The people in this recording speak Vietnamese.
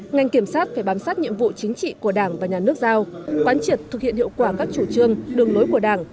ngành kiểm sát phải bám sát nhiệm vụ chính trị của đảng và nhà nước giao quán triệt thực hiện hiệu quả các chủ trương đường lối của đảng